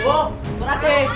bu bu rati